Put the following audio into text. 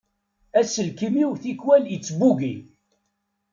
Aselkim-iw tikwal ittbugi.